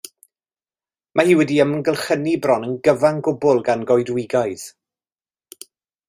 Mae wedi ei amgylchynu bron yn gyfan gwbl gan goedwigoedd.